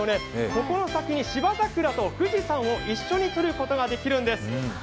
ここの先に芝桜と富士山と一緒に撮ることができるんです。